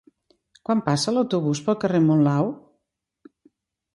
Quan passa l'autobús pel carrer Monlau?